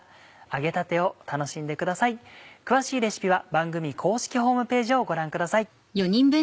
揚げたてを楽しんでください詳しいレシピは番組公式ホームページをご覧ください。